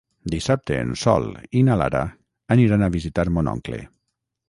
Dissabte en Sol i na Lara aniran a visitar mon oncle.